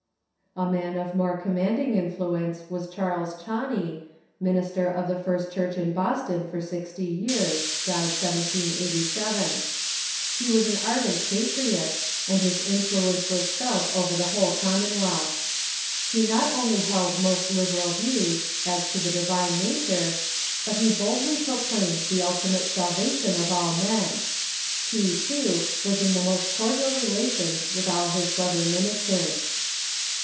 A man of more commanding influence was Charles Channc}', minister of the First Church in Boston for sixty years (died 1787). He was an ardent patriot, and his influence was felt over the whole commonwealth. He not only held most liberal views as to the divine nature, but he boldly proclaimed the ultimate salvation of all men. He, too, was in the most cordial relations with all his brother minis ters.